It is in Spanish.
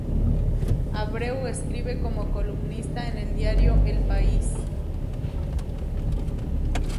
Abreu escribe como columnista en el diario El País.